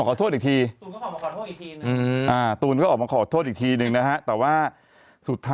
แอรี่แอรี่แอรี่แอรี่แอรี่